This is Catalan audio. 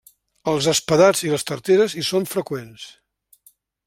Els espadats i les tarteres hi són freqüents.